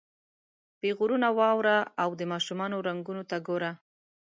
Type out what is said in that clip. پیغورونه واوره او د ماشومانو رنګونو ته ګوره.